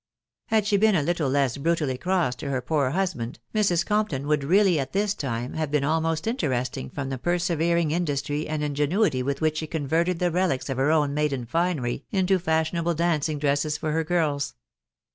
Had she been a little less brutally cross to her poor hus band, Mrs. Compton would really at this time have been almost interesting from the persevering industry and inge nuity with which she converted the relics of her own maiden finery into fashionable dancing dresses for her girls.